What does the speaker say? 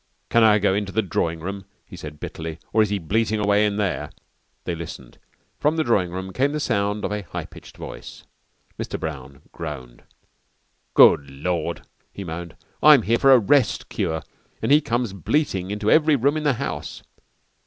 "Can I go into the drawing room?" he said bitterly, "or is he bleating away in there?" They listened. From the drawing room came the sound of a high pitched voice. Mr. Brown groaned. "Good Lord!" he moaned. "And I'm here for a rest cure and he comes bleating into every room in the house.